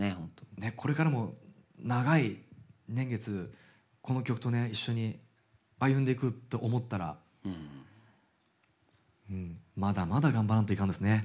ねっこれからも長い年月この曲とね一緒に歩んでいくって思ったらうんまだまだ頑張らんといかんですね。